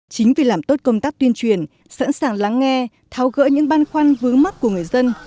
chính vì làm tốt công tác tuyên truyền sẵn sàng lắng nghe tháo gỡ những băn khoăn vướng mắt của người dân